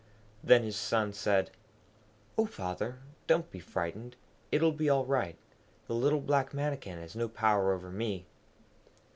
Then his son said, 'O father, don't be frightened, it will be all right. The little black Mannikin has no power over me.'